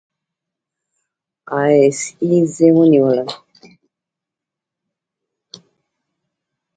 اى ايس اى زه ونیولم.